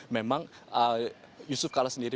memang yusuf kalla sendiri